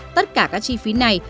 tất cả các chi phí này